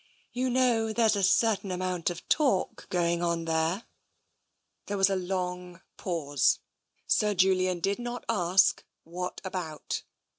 You know there's a certain amount of talk going on there? " There was a long pause. Sir Julian did not ask, "What about?"